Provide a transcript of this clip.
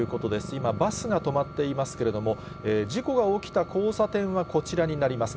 今、バスが止まっていますけれども、事故が起きた交差点はこちらになります。